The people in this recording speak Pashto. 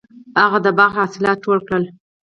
هغه د باغ حاصلات ټول کړل.